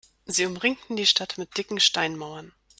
Sie umringten die Stadt mit dicken Steinmauern.